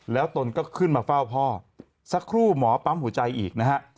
แล้วตนก็ขึ้นมาเฝ้าพ่อสักครู่หมอปั๊มหัวใจอีกนะฮะ